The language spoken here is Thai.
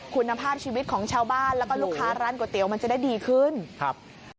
คุณภาพชีวิตของชาวบ้านแล้วก็ลูกค้าร้านก๋วยเตี๋ยวมันจะได้ดีขึ้นครับ